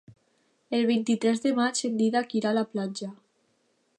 El vint-i-tres de maig en Dídac irà a la platja.